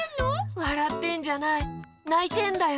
わらってんじゃないないてんだよ！